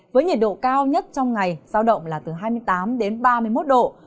với nhiệt độ cao nhất trong ngày giao động là từ hai mươi tám đến ba mươi một độ